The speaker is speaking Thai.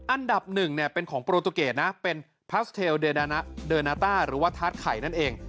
อันดับหนึ่งเป็นของโปรตูเกตนะเป็นพาสเทลเดอร์นาต้าหรือว่าทาสไข่นั่นเอง